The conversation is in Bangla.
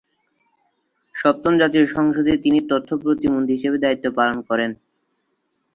সপ্তম জাতীয় সংসদে তিনি তথ্য প্রতিমন্ত্রী হিসেবে দায়িত্ব পালন করেন।